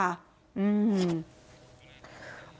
อืม